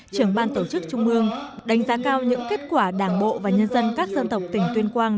trưởng ban tổ chức trung ương đánh giá cao những kết quả đảng bộ và nhân dân các dân tộc tỉnh tuyên quang